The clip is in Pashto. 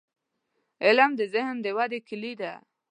• علم، د ذهن د ودې کلي ده.